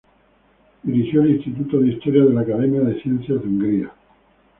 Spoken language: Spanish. Dirigió el Instituto de Historia de la Academia de Ciencias de Hungría.